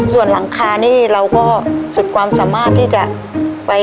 ส่วนหลังคานี่เราก็สุดความสามารถที่จะไป